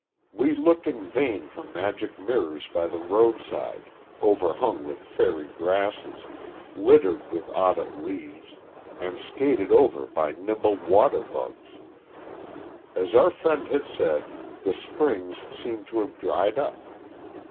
We looked in vain for magic mirrors by the roadside, overhung with fairy grasses, littered with Autumn leaves, and skated over by nimble water bugs. As our friend had said, the springs seemed to have dried up.